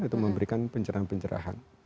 itu memberikan pencerahan pencerahan